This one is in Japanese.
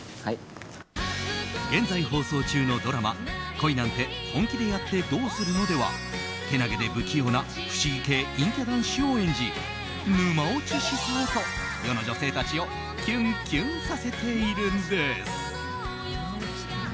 現在放送中のドラマ「恋なんて、本気でやってどうするの？」ではけなげで不器用な不思議系陰キャ男子を演じ沼落ちしそうと世の女性たちをキュンキュンさせているんです。